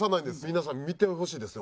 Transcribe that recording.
皆さんに見てほしいですね。